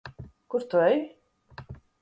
Kur tu ej?